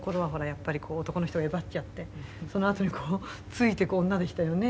やっぱり男の人が威張っちゃってそのあとにこうついていく女でしたよね。